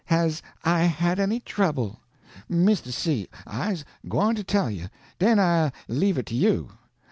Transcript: "Has I had any trouble? Misto C , I's gwyne to tell you, den I leave it to you.